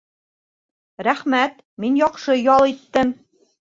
Рәхмәт, мин яҡшы ял иттем.